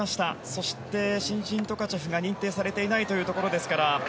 そして、伸身トカチェフが認定されていないところですから。